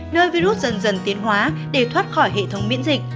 nơi virus dần dần tiến hóa để thoát khỏi hệ thống miễn dịch